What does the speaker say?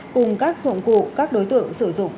cùng các dụng cụ các đối tượng sử dụng